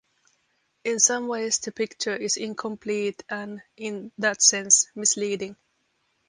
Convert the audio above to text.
In some ways the picture is incomplete and, in that sense, misleading.